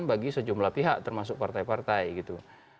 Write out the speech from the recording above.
jadi sejumlah pihak termasuk partai partai gitu